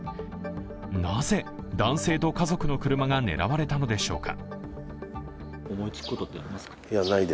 なぜ男性と家族の車が狙われたのでしょうか。